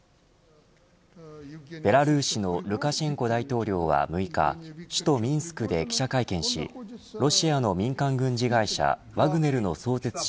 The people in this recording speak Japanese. ベラルーシのルカシェンコ大統領は６日、首都ミンスクで記者会見しロシアの民間軍事会社ワグネルの創設者